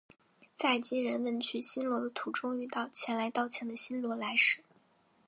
在金仁问去新罗的途中遇到前来道歉的新罗来使。